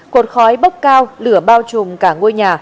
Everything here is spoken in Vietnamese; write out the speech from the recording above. cột khói bốc cao lửa bao trùm cả ngôi nhà